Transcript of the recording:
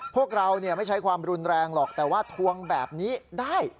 พวกเราไม่ใช้ความรุนแรงหรอกแต่ว่าทวงแบบนี้ได้